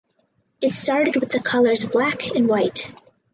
It started with the colors black and white.